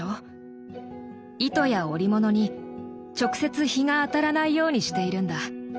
糸や織物に直接日が当たらないようにしているんだ。